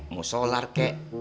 mau solar kek